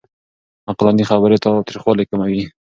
عقلاني خبرې تاوتريخوالی کموي.